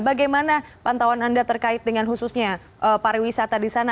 bagaimana pantauan anda terkait dengan khususnya pariwisata di sana